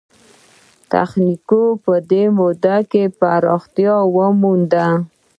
تخنیکونو په دې موده کې پراختیا ومونده.